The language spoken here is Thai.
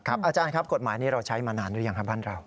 อาจารย์ครับกฎหมายนี้เราใช้มานานหรือยังครับบ้านเรา